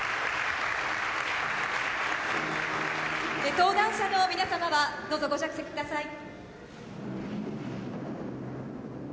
登壇者の皆様はどうぞご着席ください。